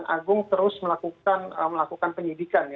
kejaksaan agung terus melakukan penyidikan